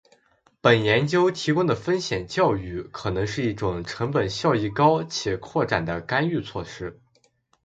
本研究提供的风险教育可能是一种成本效益高且可扩展的干预措施